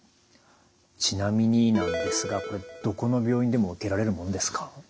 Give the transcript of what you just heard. ちなみになんですがどこの病院でも受けられるものですか？